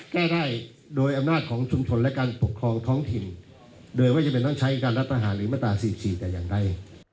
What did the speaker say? แก้ได้โดยอำนาจของชุมชนและการปกครองท้องถิ่นโดยไม่จำเป็นต้องใช้การรัฐประหารหรือมาตรา๔๔แต่อย่างใด